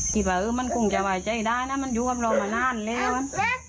คิดว่ามันคงจะไว้ใจได้นะมันอยู่กับเรามานานแล้ว